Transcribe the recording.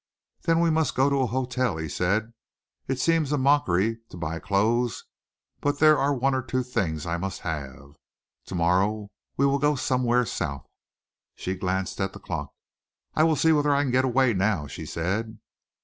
"Then we must go to a hotel," he said. "It seems a mockery to buy clothes, but there are one or two things I must have. To morrow we will go somewhere south." She glanced at the clock. "I will see whether I can get away now," she said.